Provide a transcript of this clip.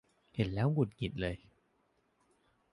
เห็นแล้วหงุดหงิดเลย